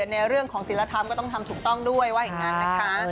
ในเรื่องของศิลธรรมก็ต้องทำถูกต้องด้วยว่าอย่างนั้นนะคะ